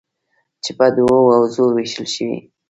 چې په دوو حوزو ویشل شوي: